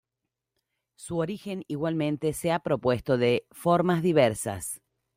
Su origen igualmente se ha propuesto de formas diversas.